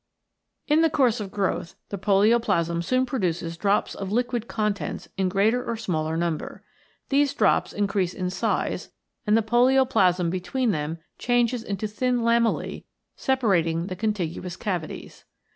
In the course of growth the polioplasm soon produces drops of liquid contents in greater or smaller number. These drops increase in size, and the polioplasm between them changes into thin lamellae separating the contiguous cavities.